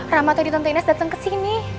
rama tadi tante ines datang kesini